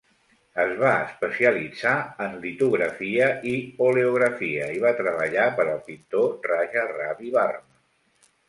Es va especialitzar en litografia i oleografia i va treballar per al pintor Raja Ravi Varma.